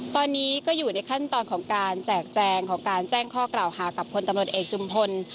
ตอนนี้ก็อยู่ในขั้นตอนของการแจ้งข้อเกล่าหากับพลตำรวจเอกจุมพล